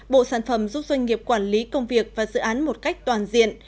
bộ sản phẩm giúp doanh nghiệp quản lý công việc và dự án một cách toàn diện